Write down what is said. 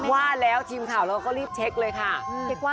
ว่าแล้วทีมข่าวเราก็รีบเช็คเลยค่ะ